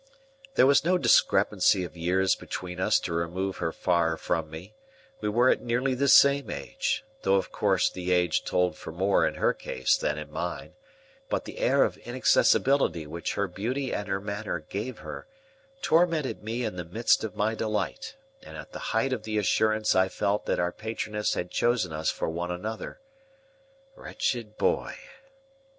There was no discrepancy of years between us to remove her far from me; we were of nearly the same age, though of course the age told for more in her case than in mine; but the air of inaccessibility which her beauty and her manner gave her, tormented me in the midst of my delight, and at the height of the assurance I felt that our patroness had chosen us for one another. Wretched boy!